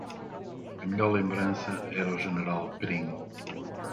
A melhor lembrança era o General Prim.